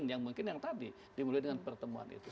yang mungkin yang tadi dimulai dengan pertemuan itu